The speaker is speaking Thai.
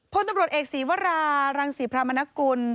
พลตำรวจเอกศีวรารังศรีพรามนกุล